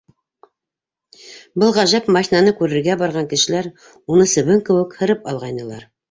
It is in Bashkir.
Был ғәжәп машинаны күрергә барған кешеләр уны себен кеүек һырып алғайнылар.